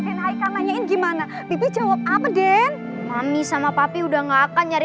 den haikal nanyain gimana bibi jawab apa den mami sama papi udah nggak akan nyari